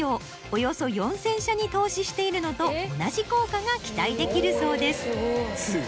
およそ４０００社に投資しているのと同じ効果が期待できるそうです。